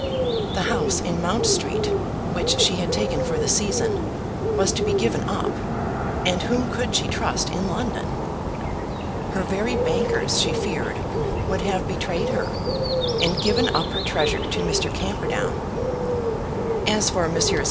The house in Mount Street, which she had taken for the season, was to be given up; and whom could she trust in London? Her very bankers, she feared, would have betrayed her, and given up her treasure to Mr. Camperdown. As for Messrs.